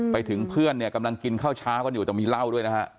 ไปถึงเพื่อนเนี่ยกำลังกินข้าวเช้ากันอยู่แต่มีเหล้าด้วยนะฮะ